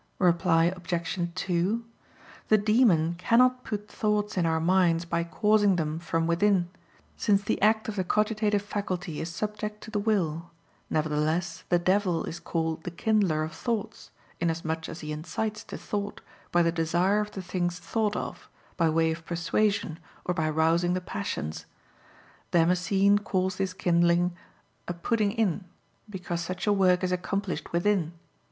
Reply Obj. 2: The demon cannot put thoughts in our minds by causing them from within, since the act of the cogitative faculty is subject to the will; nevertheless the devil is called the kindler of thoughts, inasmuch as he incites to thought, by the desire of the things thought of, by way of persuasion, or by rousing the passions. Damascene calls this kindling "a putting in" because such a work is accomplished within.